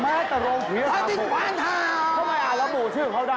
แม้ตะโรงเพลียสาโคทำไมอาละบู่ชื่อเขาได้